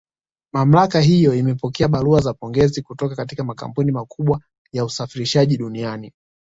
Mamlaka hiyo imepokea barua za pongezi kutoka katika makampuni makubwa ya usafirishaji duniani